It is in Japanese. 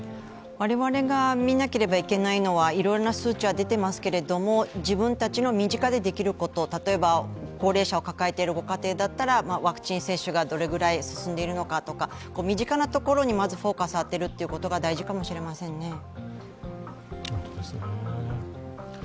我々が見なければいけないのは、いろいろな数値は出ていますけれども、自分たちの身近でできること高齢者を抱えているご家庭だったらワクチン接種がどれくらい進んでいるのかとか、身近なところにまずフォーカスを当てることが大事かもしれませんね。